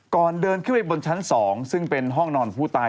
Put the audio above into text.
ก่อนเดินขึ้นไปบนชั้น๒ซึ่งเป็นห้องนอนของผู้ตาย